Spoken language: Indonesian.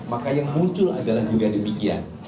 maka yang muncul adalah juga demikian